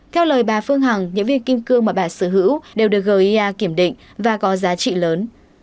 theo lời bà phương hằng những viên kim cương mà bà sở hữu đều được gia kiểm định và có giá trị lớn